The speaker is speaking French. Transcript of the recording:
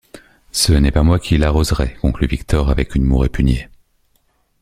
Ce n’est pas moi qui l’arroserai, conclut Victor avec une moue répugnée.